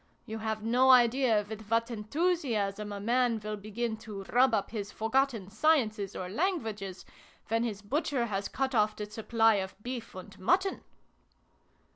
You have no idea with what enthusiasm a man will begin to rub up his forgotten sciences or languages, when his butcher has cut off the supply of beef and mutton